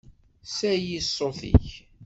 Sali ṣṣut-ik!